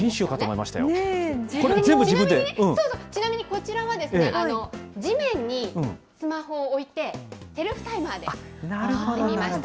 ちなみに、こちらは地面にスマホを置いて、セルフタイマーで撮ってみました。